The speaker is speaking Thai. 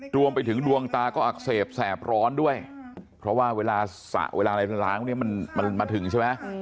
รวมไปถึงดวงตาก็อักเสบแสบร้อนด้วยเพราะว่าเวลาสระเวลาอะไรล้างเนี่ยมันมาถึงใช่ไหม